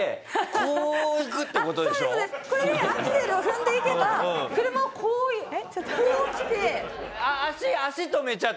これでアクセルを踏んでいけば車はこう来て。